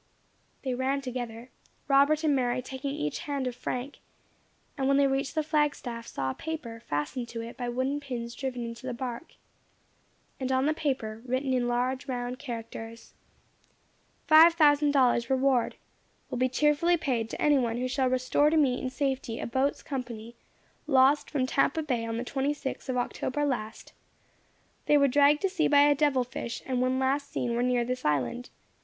They ran together, Robert and Mary taking each a hand of Frank; and when they reached the flag staff, saw a paper fastened to it by wooden pins driven into the bark, and on the paper, written in large round characters: "Five Thousand Dollars Reward "Will be cheerfully paid to any one who shall restore to me in safety a boat's company, lost from Tampa Bay on the 26th of October last. They were dragged to sea by a devil fish, and when last seen were near this island.